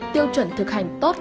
tiêu chuẩn thực hành tốt